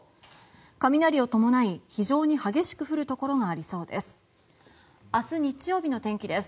雷を伴い非常に激しく降るところがありそうです。